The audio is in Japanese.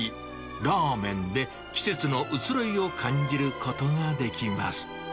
ラーメンで季節の移ろいを感じることができます。